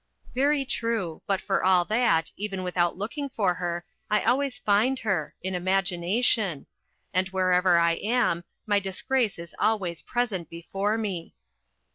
Very true; but for all that, even without looking for her, I always find her—in imagination; and wherever I am, my disgrace is always present before me.